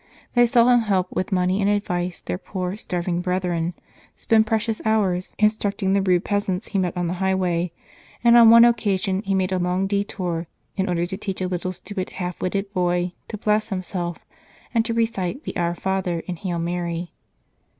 They saw him help with money and advice their poor starving brethren, spend precious hours instruct ing the rude peasants he met on the highway, and on one occasion he made a long detour in order to teach a little stupid, half witted boy to bless himself and to recite the " Our Father " and " Hail Mary."